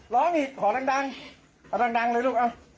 ร้องอีกขอดังขอดังเลยลูก